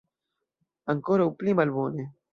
Ankoraŭ pli malbone.